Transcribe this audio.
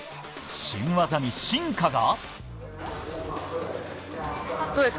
新技に進化が。